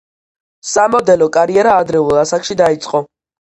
სამოდელო კარიერა ადრეულ ასაკში დაიწყო.